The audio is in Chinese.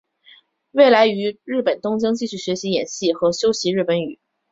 未来于日本东京继续学习演戏和修习日本语。